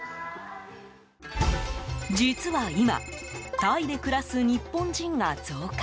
実は今タイで暮らす日本人が増加。